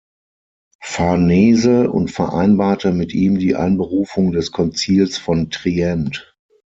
Farnese und vereinbarte mit ihm die Einberufung des Konzils von Trient.